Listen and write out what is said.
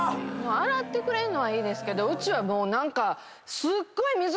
洗ってくれるのはいいですけどうちはもう。